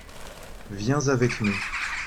viens avec nous.